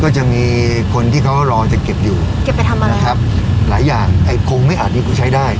ก็จะมีคนที่เขารอจะเก็บอยู่เก็บไปทำอะไรครับหลายอย่างไอ้คงไม่อัดนี่กูใช้ได้